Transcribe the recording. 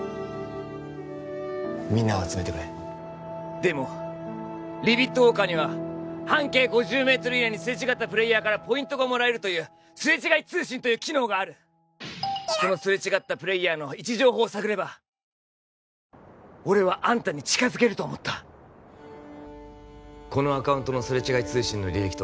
みんなを集めてくれでもリビットウォーカーには半径５０メートル以内にすれ違ったプレイヤーからポイントがもらえるというすれ違い通信という機能があるそのすれ違ったプレイヤーの位置情報を探れば俺はアンタに近づけると思ったこのアカウントのすれ違い通信の履歴と